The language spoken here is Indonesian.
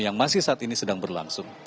yang masih saat ini sedang berlangsung